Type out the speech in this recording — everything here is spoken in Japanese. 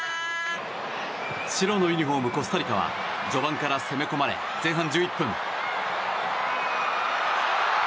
白のユニホーム、コスタリカは序盤から攻め込まれ前半１１分。